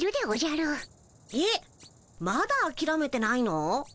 えっまだあきらめてないの？